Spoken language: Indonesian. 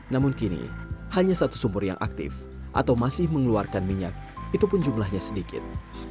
namun kini hanya satu sumur yang aktif atau masih mengeluarkan minyak itu pun jumlahnya sedikit